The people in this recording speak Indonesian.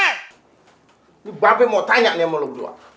ini mbape mau tanya nih sama lo berdua